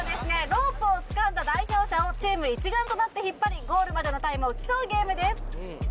ロープをつかんだ代表者をチーム一丸となって引っ張りゴールまでのタイムを競うゲームです